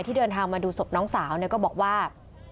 เดินทางมาดูศพน้องสาวก็บอกว่า